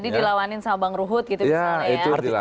dilawanin sama bang ruhut gitu misalnya ya